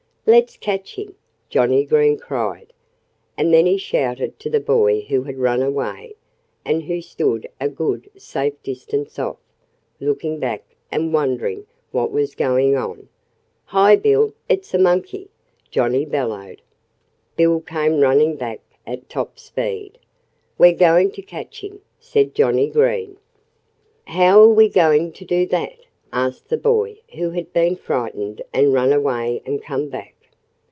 "Let's catch him!" Johnnie Green cried. And then he shouted to the boy who had run away, and who stood a good, safe distance off, looking back and wondering what was going on. "Hi, Bill! It's a monkey!" Johnnie bellowed. Bill came running back at top speed. "We're going to catch him," said Johnnie Green. "How're we going to do that?" asked the boy who had been frightened and run away and come back.